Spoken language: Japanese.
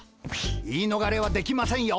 言い逃れはできませんよ。